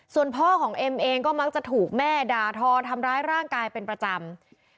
ส่วนพ่อของเอ็มเองก็มักจะถูกแม่ด่าทอทำร้ายร่างกายเป็นประจำ